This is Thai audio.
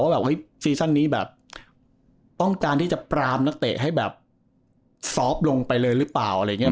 ว่าแบบเฮ้ยซีสันนี้แบบต้องการที่จะปรามนักเตะให้แบบลงไปเลยหรือเปล่าอะไรอย่างเงี้ย